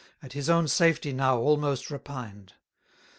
At his own safety now almost repined!